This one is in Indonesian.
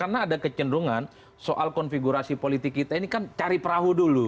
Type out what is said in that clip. karena ada kecenderungan soal konfigurasi politik kita ini kan cari perahu dulu